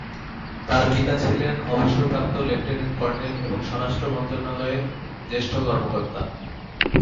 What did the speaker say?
তার পিতা ছিলেন অবসরপ্রাপ্ত লেফটেন্যান্ট কর্নেল এবং স্বরাষ্ট্র মন্ত্রণালয়ের জ্যেষ্ঠ কর্মকর্তা।